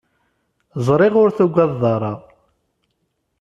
Ẓriɣ ur tugadeḍ ara.